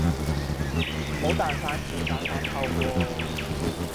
唔好蛋散前蛋散後喎